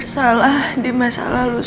salah di masa lalu